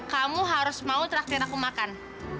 kamu harus mau terakhir aku makan